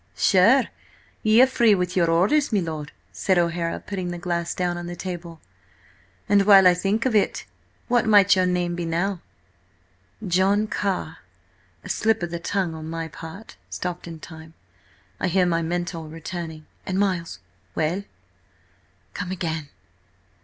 "Sure, ye are free with your orders, me lord!" said O'Hara, putting the glass down on the table. "And, while I think of it–what might your name be now?" "John Carr–a slip of the tongue on my part, stopped in time. I hear my mentor returning–and–Miles!" "Well?" "Come again!"